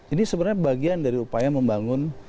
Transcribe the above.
ini sebenarnya bagian dari upaya membangun